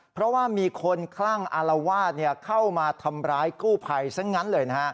เพราะว่ามีคนคลั่งอารวาสเข้ามาทำร้ายกู้ภัยซะงั้นเลยนะฮะ